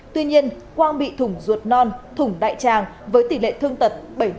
tuy nhiên quang bị thủng ruột non thủng đại tràng với tỷ lệ thương tật bảy mươi